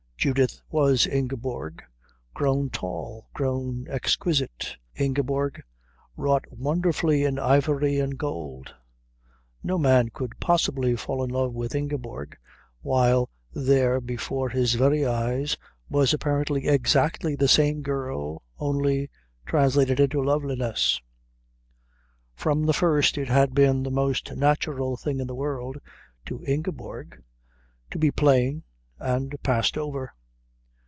Judith was Ingeborg grown tall, grown exquisite, Ingeborg wrought wonderfully in ivory and gold. No man could possibly fall in love with Ingeborg while there before his very eyes was apparently exactly the same girl, only translated into loveliness. From the first it had been the most natural thing in the world to Ingeborg to be plain and passed over.